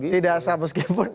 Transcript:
tidak sah meskipun